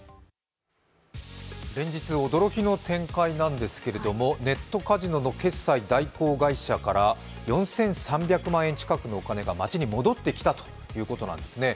連日、驚きの展開なんですけれどもネットカジノの決済代行会社から４３００万円近くのお金が町に戻ってきたということなんですね。